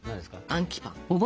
「アンキパン」！